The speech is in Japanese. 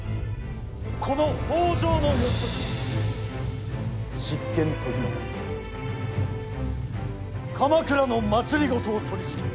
この北条義時が執権時政に代わり鎌倉の政を取りしきる。